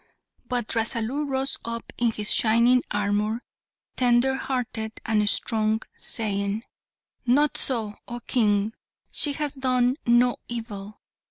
But Rasalu rose up in his shining armour, tender hearted and strong, saying, "Not so, oh king! She has done no evil.